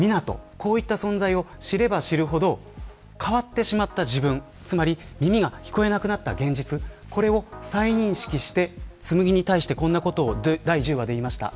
こういった存在を知れば知るほど変わってしまった自分つまり耳が聞こえなくなった現実これを再認識して紬に対してこんなことを第１０話で言いました。